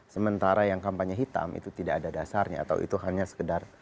sementara yang kampanye hitam itu tidak ada dasarnya atau itu hanya sekedar